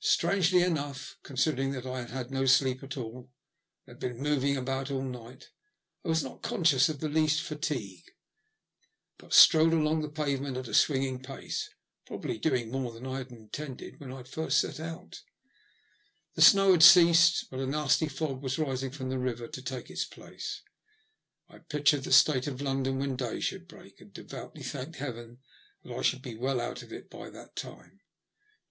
Strangely enough, con sidering that I had had no sleep at all, and had been moving about all night, I was not conscious of the least fatigue, but strode along the pavement at a swinging pace, probably doing more than I had intended when I had first set out. The snow had ceased, but a nasty fog was rising from the river to take its place. I pictured the state of London when day should break, and devoutly thanked Heaven that I should be well out of it by that time.